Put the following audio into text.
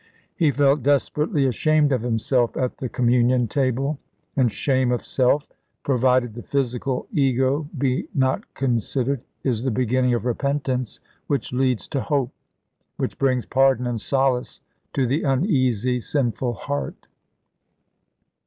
He felt desperately ashamed of himself at the communion table, and shame of self, provided the physical ego be not considered, is the beginning of repentance, which leads to hope, which brings pardon and solace to the uneasy, sinful heart.